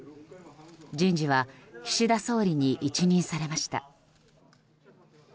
人事は岸田総理に一任されました。